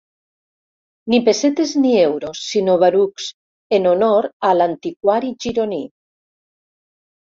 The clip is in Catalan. Ni pessetes ni euros sinó "barucs", en honor a l'antiquari gironí.